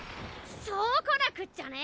そうこなくっちゃね！